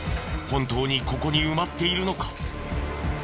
本当にここに埋まっているのか？